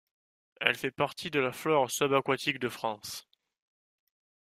Elle fait partie de la flore subaquatique de France.